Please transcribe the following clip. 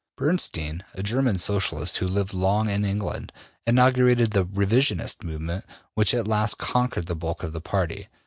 Bernstein, a German Socialist who lived long in England, inaugurated the ``Revisionist'' movement which at last conquered the bulk of the party.